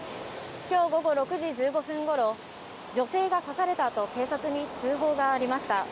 今日午後６時１５分ごろ、女性が刺されたと警察に通報がありました。